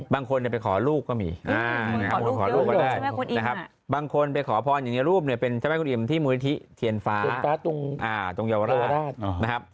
บางคนไปขอลูกก็มีบางคนไปขอพรอย่างนี้รูปเนี่ยเป็นเจ้าแม่กวนอิมที่มูลิธิเทียนฟ้าตรงเยาวราชนะครับ